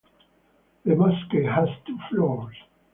The mosque has two floors.